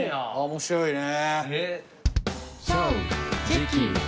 面白いね。